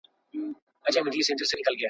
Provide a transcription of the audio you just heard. لوستې مور د کورنۍ د روغتيايي حالت څارنه کوي.